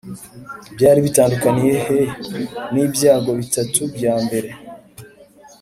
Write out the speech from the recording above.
Byari bitandukaniye he n ibyago bitatu bya mbere